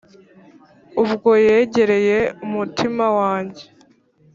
Ubwo yegereye umutima wanjye